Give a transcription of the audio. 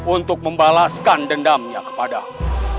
untuk membalaskan dendamnya kepadamu